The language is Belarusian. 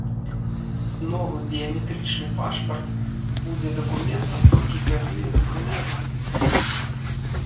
Новы біяметрычны пашпарт будзе дакументам толькі для выезду за мяжу.